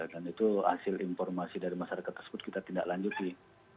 dan itu hasil informasi dari masyarakat tersebut kita tidak lanjuti